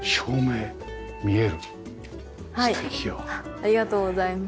ありがとうございます。